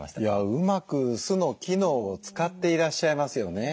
うまく酢の機能を使っていらっしゃいますよね。